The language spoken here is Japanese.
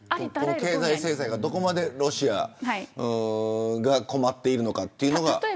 経済制裁がどこまでロシアが困っているのかというのが。